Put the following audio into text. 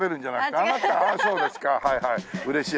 ああそうですかはいはい。